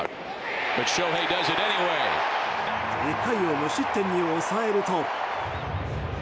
１回を無失点に抑えると。